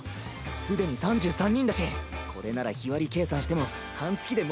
すでに３３人だしこれなら日割り計算しても半月で目標金額。